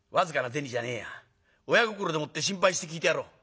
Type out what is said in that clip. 親心でもって心配して聞いてやろう。